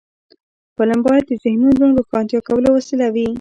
فلم باید د ذهنونو روښانه کولو وسیله وي